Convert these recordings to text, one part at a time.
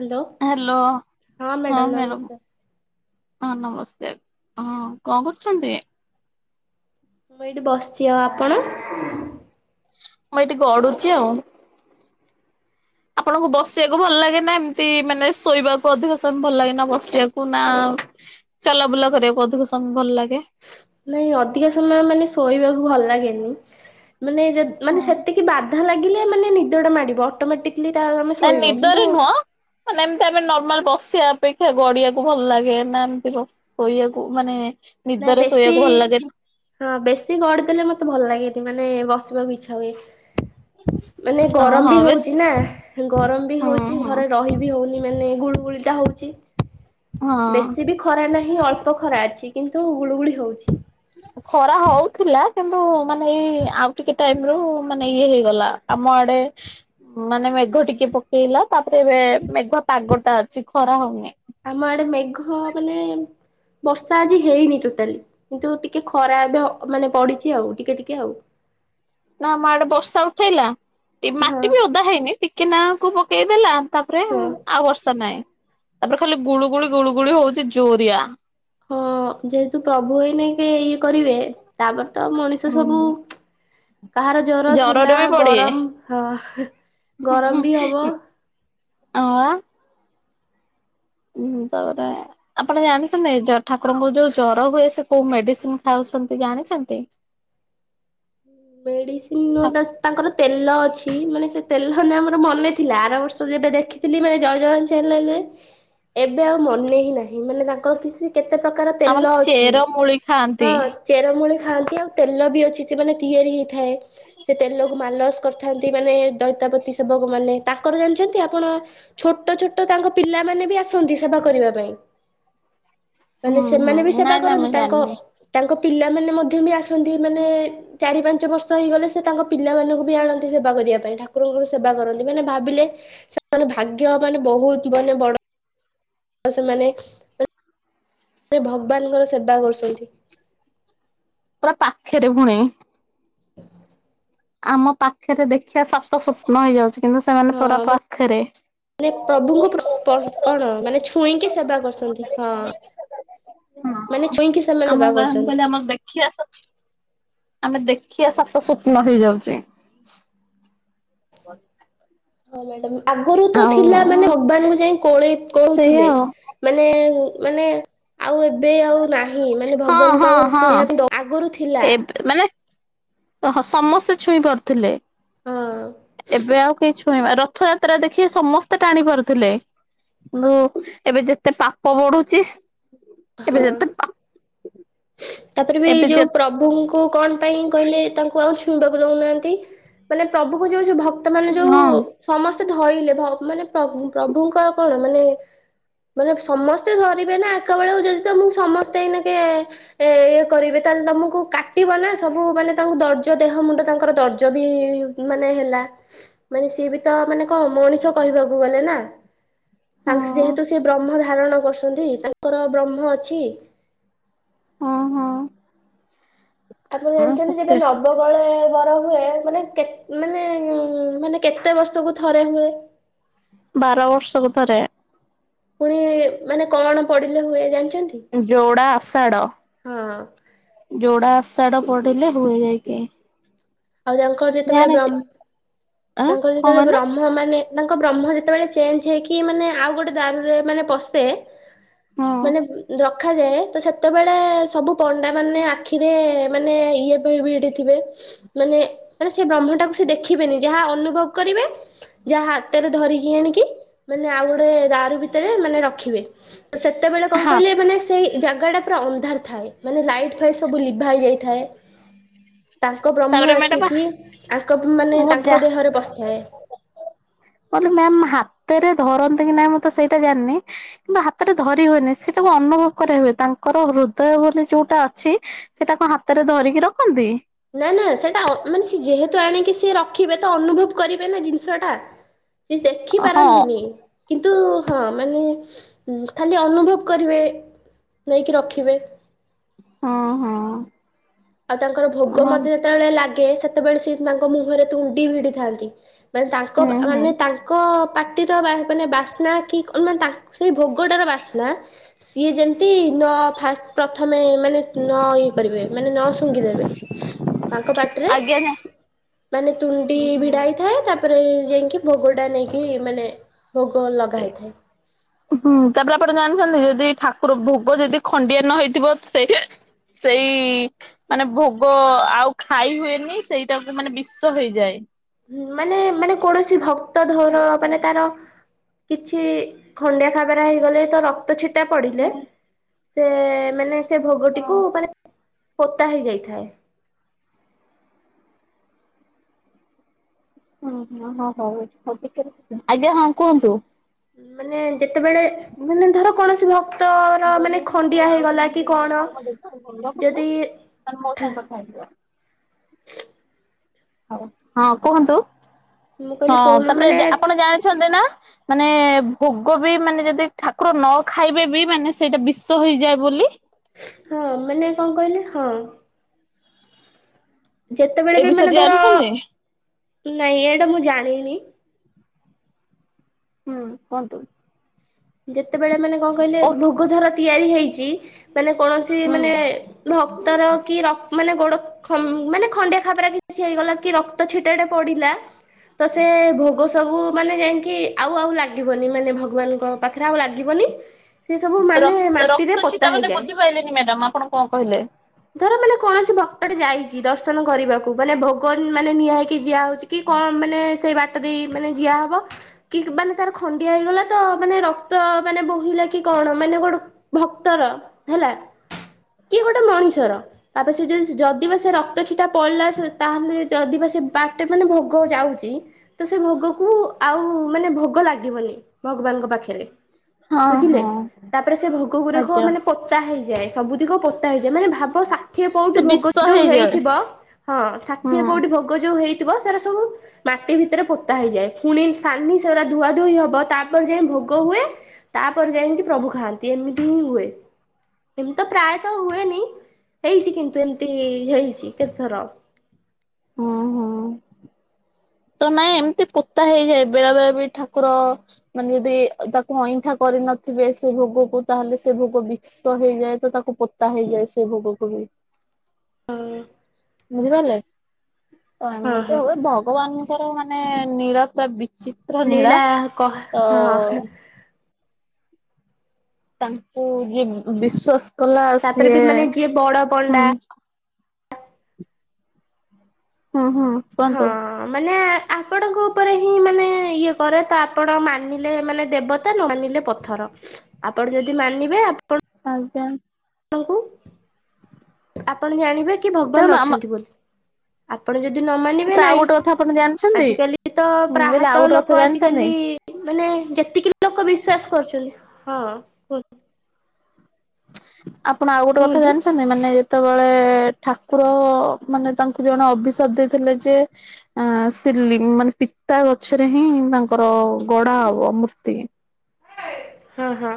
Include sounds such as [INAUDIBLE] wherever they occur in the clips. Hello hello, ହଁ madam madam ନମସ୍କାର। ହଁ ନମସ୍କାର, ହଁ କଣ କରୁଛନ୍ତି? ମୁଁ ଏଇଠି ବସିଛି ଆଉ ଆପଣ? ମୁଁ ଏଠି ଗଡୁଚି ଆଉ ଆପଣଙ୍କୁ ବସିବାକୁ ଭଲ ଲାଗେ ନା, ଏମତି ମାନେ ଶୋଇବାକୁ ଅଧିକ ସମୟ ଭଲ ଲାଗେ, ନା ବସ ଆସିବାକୁ ନା ଚଲାବୁଲା କରିବାକୁ ଅଧିକ ସମୟ ଭଲ ଲାଗେ ନାଇଁ ଅଧିକା ସମୟ ମାନେ ଶୋଇବାକୁ ଭଲ ଲାଗେନି ମାନେ, ମାନେ ହଁ ସେତିକି ବାଧା ଲାଗିଲେ ମାନେ ନିଦ ଟା ମାଡିବ, ଅଟୋମେଟିକ ନ ନିଦରେ ନୁହଁ, ମାନେ ଏମତି ଆମେ ନର୍ମାଲ ବସି ସେ ଅପେକ୍ଷା ଗଡିଆକୁ ଭଲ ଲାଗେ ନା, ଏମିତି ଶୋଇବାକୁ ମାନେ ନାଇ ନିଦରେ ବେଶୀ, ଶୋଇବାକୁ ଭଲ ଲାଗେ ହଁ, ବେଶୀ ଗଡିି ଦେଲେ, ମତେ ଭଲ ଲାଗେ। ମାନେ ବସିବାକୁ ଇଚ୍ଛା ହୁଏ। ମାନେ ହଁ ଗରମ ବି ହଁ ବେଶ ହଉଛି ନା, ଗରମ ବି ହଁ ହଉଛି ହଁ ଘରେ ରହି ବିି ହଉନି। ମାନେ ଗୁଳୁ ଗୁଳିଟା ହଉଛି, ହଁ। ବେଶୀ ବି ଖରା ନାହିଁ, ଅଳ୍ପ ଖରା ଅଛି। କିନ୍ତୁ ଗୁଳୁଗୁଳି ହଉଛି। ଖରା ହଉଥିଲା। କିନ୍ତୁ ମାନେ ଏଇ ଆଉ ଟିକେ ଟାଇମ ରୁ ମାନେ ଇଏ ହେଇଗଲା, ଆମ ଆଡେ ମାନେ ମେଘ ଟିକେ ପକେଇଲା, ତାପରେ ଏବେ ମେଘ ପାଗ ଟା ଅଛି ଖରା ହଉନି। ଆମ ଆଡେ ମେଘ, ମାନେ ବର୍ଷା ଆଜି ହେଇନି ଟୋଟାଲି କିନ୍ତୁ ଟିକେ ଖରାପ ମାନେ ପଡିଛି ଆଉ ଟିକେ ଟିକେ ଆଉ। [INAUDIBLE] ନା ଆମ ଆଡେ ବର୍ଷା ଉଠେଇଲା, ଏ ହଁ ମାଟି ବି ଓଦା ହେଇନି ଟିକେ ନାକୁ ପକେଇଦେଲା ତାପରେ ହଁ ଆଉ ବର୍ଷା ନାହିଁ, ତାପରେ ଖାଲି ଗୁଳୁଗୁଳି, ଗୁଳୁଗୁଳି ହଉଛି ଜୋରିଆ। ହଁ ଯେହେତୁ ପ୍ରଭୁ ହେଇନେ ଇଏ କରିବେ ତାପରେ ତ ମଣିଷ ସବୁ ହୁଁ କାହାର ଜର ଜରରେ ଥଣ୍ଡା ବି ପଡିବେ ଗରମ ହ ଗରମ ବି ହବ। ହଅ [UNINTELLIGIBLE] ହୁଁ ତାପରେ ଆପଣ ଜାଣିଛନ୍ତି ଠାକୁରଙ୍କ ଯୋଉ ଜର ହୁଏ ସେ କୋଉ ମେଡିସିନ ଖାଉଛନ୍ତି ଜାଣିଛନ୍ତି? ମେଡିସିନ ନୁହଁ ତାଙ୍କର ତେଲ ଅଛି। ମାନେ ସେ ତେଲ ନା ମୋର ମନେ ଥିଲା, ଆର ବର୍ଷ ଯେବେ ଦେଖିଥିଲି ମାନେ ଜୟ ଜଗ୍ନନାଥ ଚାନେଲରେ ଏବେ ଆଉ ମନେ ହିଁ ନାହିଁ ମାନେ ତାଙ୍କର କିଛି କେତେ ପ୍ରକାର ତେଲ ଆମର ଅଛି, ଚେର ମୁଳି ଖାଆନ୍ତି। ହଁ ଚେରମୂଳି ଥାନ୍ତି ଆଉ ତେଲ ବି ଅଛି ସେ ମାନେ ତିଆରି ହେଇଥାଏ, ସେ ତେଲକୁ ମାଲସ କରିଥାନ୍ତି ମାନେ ଚଇତାପତି ସେବକମାନେ, ତାଙ୍କର ଜାଣିଛନ୍ତି ଆପଣ ଛୋଟ ଛୋଟ ତାଙ୍କ ପିଲାମାନେ ବି ଆସନ୍ତି ସେବା କରିବା ପାଇଁ। ହୁଁ ମାନେ ସେମାନେ ବି ହୁଁ। ସେବା ନାଇଁ ନାଇଁ କରନ୍ତି, ମୁଁ ତାଙ୍କ ଜାଣିନି ତାଙ୍କ ପିଲାମାନେ ମଧ୍ୟ ବି ଆସନ୍ତି ମାନେ ଚାରି ପାଞ୍ଚ ବର୍ଷ ହେଇଗଲେ ସେ ତାଙ୍କ ପିଲାମାନଙ୍କୁ ବି ଆଣନ୍ତି ସେବା କରିବା ପାଇଁ, ଠାକୁରଙ୍କର ସେବା କରନ୍ତି ମାନେ ଭାବିଲେ ସେ ମାନେ ଭାଗ୍ୟ ମାନେ ବହୁତ ମାନେ ବଡ ଆଉ ସେମାନେ ଭଗବାନଙ୍କର ସେବା କରୁଛନ୍ତି। ପୁରା ପାଖରେ ପୁଣି। ଆମ ପାଖରେ ଦେଖିବା ସାତ ସ୍ୱପ୍ନ ହେଇଯାଉଛି, କିନ୍ତୁ ସେମାନେ ହଁ ପରା ମାନେ ପାଖରେ ମାନେ ପ୍ରଭୁଙ୍କୁ ପ୍ର-ପ୍ର କଣ ମାନେ ଛୁଇଁକି ସେବା କରୁଛନ୍ତି, ହଁ। ହ ମାନେ ଛୁଇଁକି ସେମାନେ ଆମ ସେବା ଗାଁ କୁ କରୁଛନ୍ତି। କହିଲେ ଆମକୁ ଦେଖି ଆସ। ଆମେ ଦେଖିବା ସାତ ସ୍ୱପ୍ନ ହେଇଯାଉଛି। [UNINTELLIGIBLE] ହଁ ମ୍ୟାଡ଼ମ୍। ଆଗରୁ ତ ଆଉ ଥିଲା ମାନେ ଭଗବାନଙ୍କୁ ଯାଇ କୋଳେଇ କୋ, ସେଇଆ ଆଉ। ମାନେ ମାନେ ଆଉ ଏବେ ଆଉ ନାହିଁ ମାନେ ହଁ ଭଗବାନଙ୍କୁ ହଁ ଆଉ ହଁ ନିହାତି ଆଗରୁ ଥି ଏବେ ମାନେ ଓ ହଁ ସମସ୍ତେ ଛୁଇଁ ପାରୁଥିଲେ, ହଁ ଏବେ ଆଉ କେହି ଛୁ ଇବା ରଥଯାତ୍ରା ଦେଖିବେ ସମସ୍ତେ ଟାଣି ପାରୁଥିଲେ। କିନ୍ତୁ ଏବେ ଯେତେ ପାପ ବଢୁଛି ଏବେ ହଁ। ଯେତେ ପା ତାପରେ ବି ଏଇ ଏବେ ଯେ ଯୋଉ ପ୍ରଭୁଙ୍କୁ କଣ ପାଇଁ କହିଲେ ତାଙ୍କୁ ଆଉ ଛୁଇଁବାକୁ ଇ ଦୋଉ ନାହାନ୍ତି ମାନେ ପ୍ରଭୁଙ୍କୁ ଯୋଉ ଯୋ ଭକ୍ତ ମାନେ ଯୋଉ ହଁ। ସମସ୍ ଧଇଲେ ଭ ମାନେ ପ୍ରଭୁ ପ୍ରଭୁଙ୍କର କଣ ମାନେ ମାନେ ସମସ୍ତେ ଧରିବେ ନା ଏକା ବେଳକୁ ଯଦି ତମକୁ ସମସ୍ତେ ଏଇନା କେ ଏ ଇଏ କରିବେ ତାହେଲେ ତମକୁ କାଟିବ ନା ସବୁ ମାନେ ତାଙ୍କୁ ଦର୍ଜ ଦେହ ମୁଣ୍ଡ ତାଙ୍କର ଦର୍ଜ ବି ମାନେ ହେଲା ମାନେ ସିଏ ବି ତ ମାନେ କଣ ମଣିଷ କହିବାକୁ ଗଲେ ନା। ତା ହଁ ଯେହେତୁ ସେ ବ୍ରହ୍ମ ଧାରଣ କରୁଛନ୍ତି, ତାଙ୍କର ବ୍ରହ୍ମ ଅଛି। ହଁ ଆପଣ ହଁ ଜାଣିଛନ୍ତି ଯେବେ ସତେ ନବକଳେବର ର ହୁଏ ମାନେ କେତ ମାନେ ମାନେ କେତେ ବର୍ଷକୁ ଥରେ ହୁଏ? ବାର ବର୍ଷକୁ ଥରେ। ପୁଣି ମାନେ କଣ ପଡିଲେ ହୁଏ ଜାଣି ଯୋଡା ଆଷାଢ ହଁ ଯୋଡାସ ସଢ଼ ପଡିଲେ ହୁଏ ଯାଇକି। ଆଉ ତାଙ୍କର ଯେତେବେଳେ ଜାଣିଛି ବ୍ରହ୍ମ ଆଁ ତାଙ୍କର କଣ ଯେତେବେଳେ କହିଲେ ବ୍ରହ୍ମ ମାନେ ତାଙ୍କ ବ୍ରହ୍ମ ଯେତେବେଳେ ଚେଞ୍ଜ ହେଇକି ମାନେ ଆଉ ଗୋଟେ ଦାରୁରେ ମାନେ ପଶେ ହଁ ମାନେ ର ରଖାଯାଏ ତ ସେତେବେଳେ ସବୁ ପଣ୍ଡା ମାନେ ଆଖିରେ ମାନେ ଇଏ ଭି-ଭିଡ଼ି ଥିବେ। ମାନେ ମାନେ ସେ ବ୍ରହ୍ମଟାକୁ ସେ ଦେଖିବେନି ଯାହା ଅନୁଭବ କରିବେ। ଯାହା ହାତରେ ଧରିକି ଆଣିକି, ମାନେ ଆଉ ଗୋଟେ ଦାରୁ ଭିତରେ ମାନେ ରଖିବେ। ସେତେବେଳେ କଣ ହଁ କହିଲେ ମାନେ ସେଇ ଜାଗାଟା ପୁରା ଅନ୍ଧାର ଥାଏ ମାନେ ଲାଇଟ୍ ଫାଇଟ ସବୁ ଲିଭା ହେଇ ଯାଇଥାଏ, ତା ବ୍ରହ୍ମ ତାପରେ ମ୍ୟାଡାମ ଆସିକି, ଆଙ୍କ ମାନେ ମୁଁ ଯା ତାଙ୍କ ଦେହରେ ପଶିଥାଏ। [UNINTELLIGIBLE] କ ମ୍ୟା ହାତରେ ଧରନ୍ତି କି ନାଇଁ ମୁଁ ତ ସେଇଟା ଜାଣିନି କିମ୍ବା ହାତରେ ଧରି ହୁଏନି ସେଟା ଅନୁଭବ କରାହୁଏ, ତାଙ୍କର ହୃଦୟ ବୋଲି ଯୋଉଟା ଅଛି, ସେଟାକୁ ହାତରେ ଧରିକି ରଖନ୍ତି। ନା, ନା, ସେଇଟା ମାନେ ଯେହେତୁ ଆଣିକି ସିଏ ରଖିବେ ତ ଅନୁଭବ କରିବେ ନା, ଜିନିଷ ଟା ସିଏ ଦେଖି ହଁ ପାରନ୍ତିନି? କିନ୍ତୁ ହଁ ମାନେ ଖାଲି ଅନୁଭବ କରିବେ। ନେଇକି ରଖିବେ। ହୁଁ ହୁଁ ଆଉ ତାଙ୍କର ଭୋଗ ମଧ୍ୟ ଯେତେବେଳେ ଲାଗେ ସେତେବେଳେ ସିଏ ତାଙ୍କ ମୁହଁରେ ତୁଣ୍ଡି ଭିଡି ଥାନ୍ତି। ମାନେ, ତାଙ୍କ ହୁଁ ମାନେ, ତାଙ୍କ ପାଟିର ମାନେ ବାସ୍ନା କି, ମାନେ ତାଙ୍କ ସେଇ ଭୋଗଟାର ବାସ୍ନା, ସିଏ ଯେମତି ନ ଫାଷ୍ଟ ପ୍ରଥମେ ମାନେ ନ ଇଏ କରିବେ, ମାନେ ନ ଶୁ [UNINTELLIGIBLE] ଦେବେ, ତାଙ୍କ ପାଟିରେ ଆଜ୍ଞା ମାନେ ତୁଣ୍ଡି ହୁଁ ହୁଁ ଭିଡ ହେଥାଏ, ତା ତାପରେ ଯାଇକି, ଭୋଗ ଟା ନେଇକି ମାନେ ଭୋଗ ଲଗା ହେଇଥାଏ ହୁଁ, ତାପରେ ଆପଣ ଜାଣିଛନ୍ତି? ଯ ଠାକୁର ଭୋଗ ଯଦି ଖଣ୍ଡିଆ ନ ହେଇଥିବ, ସେଇ, ସେଇ ମାନେ ଭୋଗ ଆଉ ଖାଇ ହୁଏନି, ସେଇଟା ବି ମାନେ ବିଷ ହେଇଯାଏ। ମାନେ, ମାନେ, କୌଣସି ଭକ୍ତ ଧର ମାନେ, ତାର କିଛି ଖଣ୍ଡିଆ ଖାବାର ହେଇଗଲେ ତ ରକ୍ତ ଛିଟା ପଡିଲେ ସେ ମାନେ ସେ ଭୋଗଟିକୁ, ମାନେ ପୋତା ହେଇଯାଇଥାଏ। ଓ ହଁ ହଁ ହଉ ହଉିକ [UNINTELLIGIBLE] ଆଜ୍ଞା ହଁ କୁହନ୍ତୁ। ମାନେ, ଯେତେବେଳେ -ମାନେ ଧର କୌଣସି ଭ ମୁ ଗଲେ ଆଉ ଖ ଦେ କଣ ଗଙ୍ଗା ପତ ଯଦି [UNINTELLIGIBLE] ତାନ ମୋସଙ୍ଗ କରିଥା ହେ [UNINTELLIGIBLE] ହଁ କୁହନ୍ତୁ, ମୁଁ ହଁ କହିଲି କଣ ମାନେ ତାପରେ ଆପଣ ଜାଣିଛନ୍ତି ନା? ମାନେ, ଭୋଗ ବି ମାନେ ଯଦି ଠାକୁର ନ ଖାଇବେ ବି ମାନେ ସେଇଟା ବିଷ ହେଇଯାଏ ବୋଲି। ହଁ, ମାନେ କଣ କହିଲେ -ହଁ ଯେତେବେଳେ ଏ ବି ବିଷୟରେ ମାନେ ଧର, ଜାଣିଛନ୍ତି ନାଇଁ ଏଇଟା ମୁଁ ଜାଣିନି ହୁଁ, କୁହନ୍ତୁ? ଯେତେବେଳେ ମାନେ କଣ କହିଲେ -ଭୋଗ ଧର ତିଆରି ହେଇଛି ମାନେ କୌଣସି ମାନେ, ଭକ୍ତର କି ର ମାନେ ଗୋଡ ମାନେ ଖଣ୍ଡିଆ ଖାବରା କିଛି ହେଇଗଲା କି ରକ୍ତ ଛିଟାଡେ ପଡିଲା, ତ, ସେ ଭୋଗ ସବୁ ମାନେ ଯାଇକି ଆଉ ଆଉ ଲାଗିବନି, ମାନେ ଭଗବାନଙ୍କ ପାଖରେ ଆଉ ଲାଗିବନି। ସେ ସବୁ ର ମାନେ ମାଟିରେ ରକ୍ତ ପୋତା ଛିଟା ମାନେ ହେଇଯାଏ, ବୁଝିପାଇଲେନି ମ୍ୟାଡାମ ଆପଣ କଣ କହିଲେ। ଧର ମାନେ କୌଣସି ଭକ୍ତଟେ ଯାଇଛି ଦର୍ଶନ କରିବାକୁ, ମାନେ ଭଗବାନ, ମାନେ ନିଆହା ହେଇକି ଯିଆ ହଉଛି। କି କଁ ମାନେ ସେଇ ବାଟ ଦେଇ ମାନେ ଜିଆ ହବ କି ମାନେ ତାର ଖଣ୍ଡିଆ ହେଇଗଲା ତ, ମାନେ ରକ୍ ଭକ୍ତ ମାନେ ବୋହିଲା କି କଣ? ମାନେ ଗୋଟେ ଭକ୍ତର ହେଲା କିଏ ଗୋଟେ ମଣିଷର ତାପରେ ସେ ଯଉ ଯଦି ବା ସେ ରକ୍ତ ଛିଟା ପଡିଲା, ତାହେଲେ ଯଦି ବା ସେ ବାଟେ ମାନେ ଭୋଗ ଯାଉଛି ତ ସେ ଭୋଗ କୁ ଆଉ ମାନେ ଭୋଗ ଲାଗିବନି। ଭଗବାନଙ୍କ ପାଖରେ ହଁ ବୁଝିଲେ, ହଁ ତାପରେ ସେ ଭୋଗଗୁରାକ ଆଜ୍ଞା ମାନେ ପୋତା ହେଇଯିବ ଏ ସବୁତିକ ପୋତା ହେଇ ଯେମାନେ ଭାବ ଷାଠିଏ ପୋଉଠି ସେ ଭୋଗ ବିଷ ଯୋଉ ହେଇଯାଏ ହେଇଥିବ ହଁ ଷାଠିଏ ହୁଁ। ପୋଉଠି ଭୋଗ ଯୋଉ ହେଇ ସେରା ସବୁ ମାଟି ଭିତରେ ପୋତା ହେଇଯାଏ ପୁଣି ସାନି ସୋ ଧୁଆ ଧୋଇ ହବ, ତାପରେ ଯାଏଁ ଭୋ ଭୋଗ ହୁଏ, ତାପରେ ଯାଇ ପ୍ରଭୁ ଖାଆନ୍ତି, ଏମିତି ହିଁ ହୁଏ। ଏମିତି ତ ପ୍ରାୟତଃ ହୁଏନି। ହେଇଛି କିନ୍ତୁ ଏମିତି ହେଇଛି କେତେଥର। ହଁ ହଁ। ତ ନାଇଁ ଏମିତି ପୋତା ହେଇଯାଏ, ବେଳେ ବେଳେ ବି ଠାକୁର ମାନେ ଯଦି ତାକୁ ଅଇଁଠା କରି କରି ନଥିବେ ସେ ଭୋଗକୁ ତାହେଲେ ସେ ଭୋଗ ବିିଷ ହେଇଯାଏ ତ ତାକୁ ପୋତା ହେଇଯାଏ ସେ ଭୋଗକୁ ବି। ଆ ବୁଝିପାରିଲେ ହଁ ହଁ ଏମିତି ହୁଏ ଭଗବାନଙ୍କର ମାନେ ନୀଳା ପୁରା ବିଚିତ୍ର। ଚିତ୍ରନୀଳା ଲୀଳା କହ ତ ହଁ ତାଙ୍କୁ ଯିଏ ବିଶ୍ଵାସ କଲା ତାପରେ ସିଏ ବି ମାନେ ଯିଏ ବଡ ହୁଁ। ପଣ୍ଡା ହୁଁ ହୁଁ କୁହନ୍ତୁ। ହଁ ମାନେ ଆପଣଙ୍କ ଉପରେ ହିଁ ମାନେ ଇଏ କରେ ତ ଆପଣ ମାନିଲେ ମାନେ ଦେବତା ନ ମାନିଲେ ପଥର। ଆପଣ ଯଦି ମାନିବେ ଆପ ଆଜ୍ଞା। ଆପଣଙ୍କୁ ଆପଣ ଜାଣିବେ କି ଦେଖନ୍ତୁ ଭଗବାନ ଆମ ଅଛନ୍ତି ବୋଲି। ଆପଣ ଯଦି ନ ମାନିବେ ତାପରେ ଆଉ ନାଇଁ। ଗୋଟେ କଥା ଆପଣ ଜାଣିଛନ୍ତି ଆଜିକାଲି ତ ମୁଁ କହିଲି ଆଉ ପ୍ରାୟତଃ ଗୋଟେ କଥା ଲୋକ ଜାଣିଛନ୍ତି ଆଜିକାଲି ମାନେ ଯେତିକି ବି ଲୋକ ବିଶ୍ଵାସ କରୁଛନ୍ତି ହଁ କୁହନ୍ତୁ। ଆପଣ ଆଉ ଗୋଟେ କଥା କୁହନ୍ତୁ ଜାଣିଛନ୍ତି ମାନେ ଯେତେବେଳେ ଠାକୁର ମାନେ ତାଙ୍କୁ ଜଣେ ଅଭିଶାପ ଦେଇଥିଲେ ଯେ ଏ ସେ ଲି ମାନେ ପିତା ଗଛରେ ହିଁ ତାଙ୍କର ଗଡା ହବ ମୂର୍ତ୍ତି। ହଁ ହଁ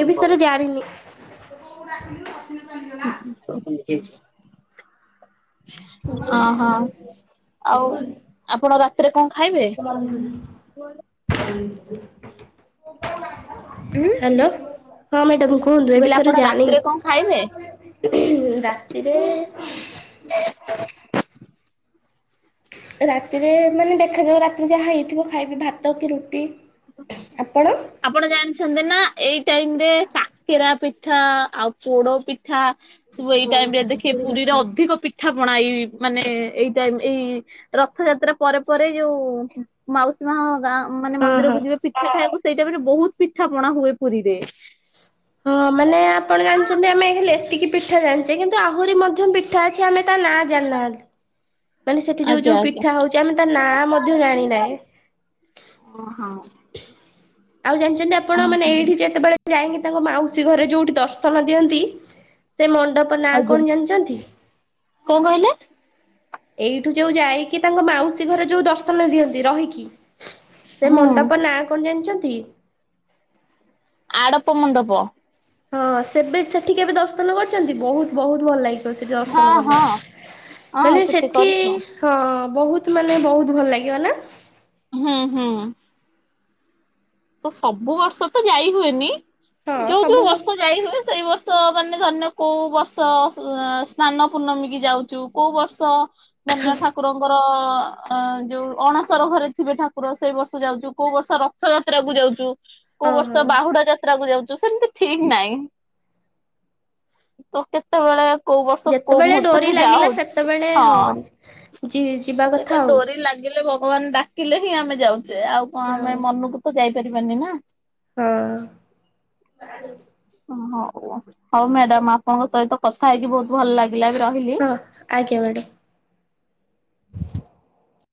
ଏ ବିଷୟରେ ଜାଣିନି। ଡାକିଲୁ ପୁଣି ଚାଲିଗଲା। [INAUDIBLE] [INAUDIBLE] ଅହଁ ଆଉ ଆପଣ ରାତିରେ କଣ ଖା? [INAUDIBLE] ଉଁ। ହ୍ୟାଲୋ ହଁ ମ୍ୟାଡାମ କୁହନ୍ତୁ ମୁଁ କହିଲି ଏବିଷୟରେ ଆପଣ ରାତିରେ କଣ ଖାଇବେ? ଜାଣିନି। [INAUDIBLE] ରାତିରେ ରାତିରେ ମାନେ ଦେଖାଯାଉ ରାତିରେ ଯାହା ହେଇଥିବ ଖାଇବି ଭାତ କି ରୁ ଆପଣ ଜାଣିଛନ୍ତି ନା ଏଇ ଟାଇମ ରେ କାକେରା ପି ପିଠା ଆଉ ପୋଡ ପିଠା ସବୁ ଏଇ ଟାଇମ ରେ ଦେଖେ ପୁରୀରେ ଅଧିକ ପିଠା ପଣା ଏଇ ମାନେ ଏଇ ଟାଇମ ଏଇ ରଥଯାତ୍ରା ପରେ ପରେ ଯୋଉ ମାଉସୀ ମା ଗାଁ ମାନେ ହଁ ହଁ। ମନ୍ଦିରକୁ ଯିବେ ପିଠା ଖାଇବାକୁ ସେଇ ଟାଇମରେ ବହୁତ ପିଠା ପଣା ହୁଏ ପୁରୀରେ। ହଁ ମାନେ ଆପଣ ଜାଣିଛନ୍ତି ଆମେ ହେଲେ ଏତିକି ପିଠା ଜାଣିଛେ କିନ୍ତୁ ଆହୁରି ମଧ୍ୟ ପିଠା ଅଛି ଆମେ ତ ନାଁ ଜାଣି ନାହାନ୍ତି। ମାନେ ସେଠି ଯୋଉ ଆଜ୍ଞା ଯୋଉ ଆଜ୍ଞା। ପିଠା ହଉଛି ଆମେ ତା ନାଁ ମଧ୍ୟ ଜାଣିନାହେଁ। ଓହୋ। ଆଉ ଜାଣିଛନ୍ତି ଆପଣ ମାନେ ଓହୋ ଏଇଠି ଯେତେବେଳେ ଯାଇକି ତାଙ୍କ ମାଉସୀ ଘରେ ଯୋଉଠି ଦର୍ଶନ ଦିଅନ୍ତି ସେ ମଣ୍ଡପ ନାଁ କଣ ଆଜ୍ଞା। ଜାଣିଛନ୍ତି? କଣ କହିଲେ? ଏଇଠୁ ଯୋଉ ଯାଇକି ତାଙ୍କ ମାଉସୀ ଘରେ ଯୋଉ ଦର୍ଶନ ଦିଅନ୍ତି ରହିକି। ସେ ହୁଁ। ମଣ୍ଡପ ନାଁ କଣ ଜାଣିଛନ୍ତି? ଆଡ଼ପ ମଣ୍ଡପ। ହଁ ସେବେ ସେଠି କେବେ ଦର୍ଶନ କରିଛନ୍ତି। ବହୁତ ବହୁତ ଭଲ ଲାଗେ। ସେଠି ହଁ ଦର୍ଶନ କଲେ ହଁ ହଁ ମାନେ ସେଠି କରିଛୁ। ହଁ ବହୁତ ମାନେ ବହୁତ ଭଲ ଲାଗିବ ନା ହଁ ହଁ ତ ସବୁ ବର୍ଷ ତ ଯାଇ ହୁଏନି। ହଁ ଯୋଉ ସବୁ ଯୋଉ ବର୍ଷ ଯାଇ ହୁଏ ସେଇ ବର୍ଷ ମାନେ ଧନ୍ୟ କୋଉ ବର୍ଷ ସ୍ନାନ ପୂର୍ଣ୍ଣମୀ କି ଯାଉଛୁ କୋଉ ବର୍ଷ ମାନେ ଠାକୁରଙ୍କର ଅ ଯୋଉ ଅଣସର ଘରେ ଥିବେ ଠାକୁର ସେଇ ବର୍ଷ ଯାଉଛୁ। କୋଉ ବର୍ଷ ରଥ ଯାତ୍ରା କୁ ଯାଉଛୁ। କୋଉ ହଁ ହଁ ବର୍ଷ ବାହୁଡା ଯାତ୍ରା କୁ ଯାଉ। ତ ସେମତି ଠିକ ନାହିଁ। ତ କେତେବେଳେ କୋଉ ବର୍ଷ କୋଉ ଯେତେବେଳେ ଡୋରି ମୁହୂର୍ତ୍ତରେ ଲାଗିଲା ଯାଉ। ସେତେବେଳେ ହଁ ଯି ଯିବା ସେଟା କଥା ଆଉ। ଡୋରି ଲାଗେ ହେଲେ ଭଗବାନ ଡାକିଲେ ହିଁ ଆମେ ଯାଉଛେ ଆଉ କଣ ହଁ ଆମେ ମନକୁ ତ ଯାଇପାରିବାନି ନା। ହଁ। ହଁ ଓ ହୋଉ ମ୍ୟାଡାମ୍ ଆପଣଙ୍କ ସହିତ କଥା ହେଇକି ବହୁତ ଭଲ ଲାଗିଲା। ଏବେ ରହିଲି। ହଁ ଆଜ୍ଞା ମ୍ୟାଡ଼ାମ।